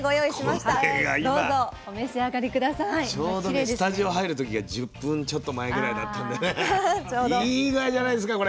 ちょうどねスタジオ入る時が１０分ちょっと前ぐらいだったんでいい具合じゃないですかこれ。